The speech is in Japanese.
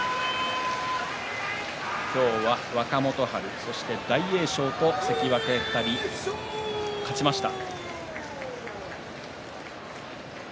今日は若元春、そして大栄翔と関脇２人勝ちました。